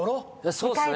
そうっすね。